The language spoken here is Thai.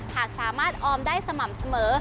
หากสามารถออมได้สม่ำเสมอ